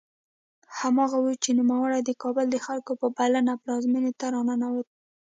هماغه و چې نوموړی د کابل د خلکو په بلنه پلازمېنې ته راننوت.